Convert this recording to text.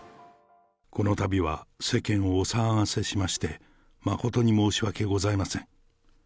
このたびは世間をお騒がせしまして誠に申し訳ございません。